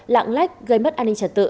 lạng lách gây mất an ninh trật tự